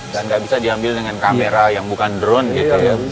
dan gak bisa diambil dengan kamera yang bukan drone gitu